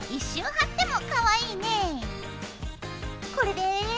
これで。